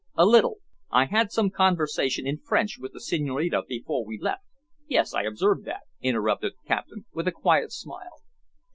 "A little. I had some conversation in French with the Senhorina just before we left " "Yes, I observed that," interrupted the captain, with a quiet smile.